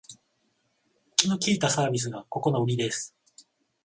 気の利いたサービスがここのウリです